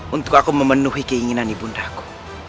untuk aku memenuhi keinginan ibu undaku